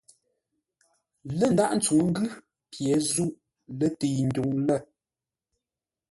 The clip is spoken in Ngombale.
Lə́ ndághʼ tsuŋə́ ngʉ́ pye zûʼ lətəi ndwuŋ lə́.